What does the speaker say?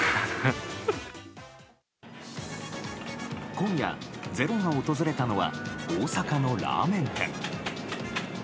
今夜「ｚｅｒｏ」が訪れたのは大阪のラーメン店。